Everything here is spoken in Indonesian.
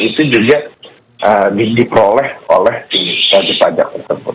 itu juga diperoleh oleh wajib pajak tersebut